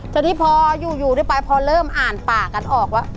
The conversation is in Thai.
ตอนนี้พออยู่ได้ไปพอเริ่มอ่านปากกันออกว่า